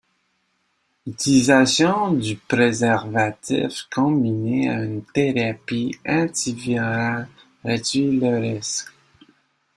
L'utilisation du préservatif combinée à une thérapie antivirale réduit le risque.